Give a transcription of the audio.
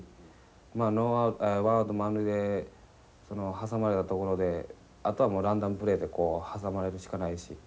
まあワンアウト満塁でその挟まれたところであとはランダムプレーでこう挟まれるしかないし。